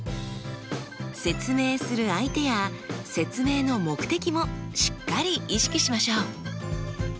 説明する相手や説明の目的もしっかり意識しましょう。